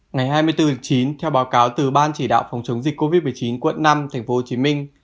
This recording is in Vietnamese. ngày hai mươi bốn chín theo báo cáo từ ban chỉ đạo phòng chống dịch covid một mươi chín quận năm tp hcm